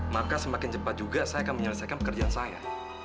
maka semakin cepat juga saya akan menyelesaikan pekerjaan saya